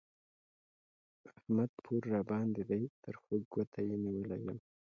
احمد پور راباندې دی؛ تر خوږ ګوته يې نيولی يم